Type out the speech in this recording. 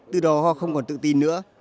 từ đó họ không còn tự tin nữa